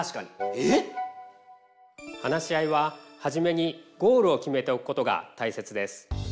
えっ？話し合いははじめにゴールを決めておくことがたいせつです。